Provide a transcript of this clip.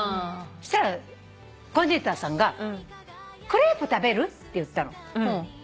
そしたらコーディネーターさんが「クレープ食べる？」って言ったの。